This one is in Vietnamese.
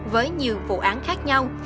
với nhiều vụ án khác nhau